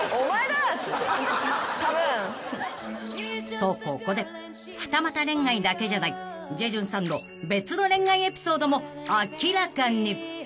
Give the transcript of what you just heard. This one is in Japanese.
［とここで２股恋愛だけじゃないジェジュンさんの別の恋愛エピソードも明らかに］